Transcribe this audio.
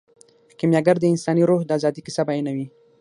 کیمیاګر د انساني روح د ازادۍ کیسه بیانوي.